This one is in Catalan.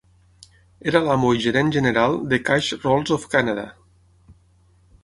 Era l'amo i gerent general de "Cash Rolls of Canada".